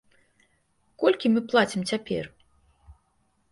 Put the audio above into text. Колькі мы плацім цяпер?